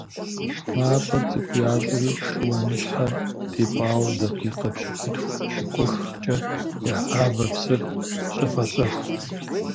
МафIэр цIыкIу ящIри шыуаныщхьэр тепIауэ дакъикъэ пщыкIутху-пщыкıухкIэ ягъавэ псыр щIэвэщIэху.